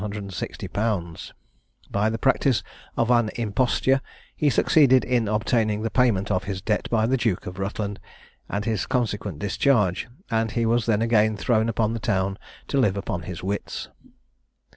_ By the practice of an imposture he succeeded in obtaining the payment of his debt by the Duke of Rutland, and his consequent discharge, and he was then again thrown upon town to live upon his wits.